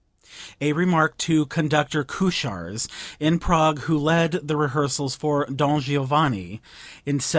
(A remark to Conductor Kucharz in Prague, who led the rehearsals for "Don Giovanni" in 1787.)